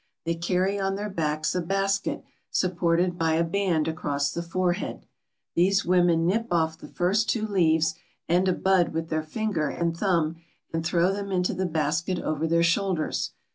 They carry on their backs a basket supported by a band across the forehead. These women nip off the first two leaves and a bud with their finger and thumb and throw them into the basket over their shoulders.